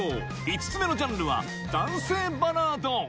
５つ目のジャンルは「男性バラード」